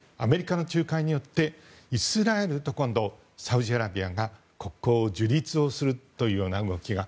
更に、アメリカの仲介によってイスラエルとサウジアラビアが国交樹立をするという動きが。